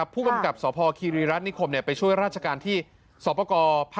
ผู้กำกับสภคิริรัตนิคมไปช่วยราชการที่สภภ๘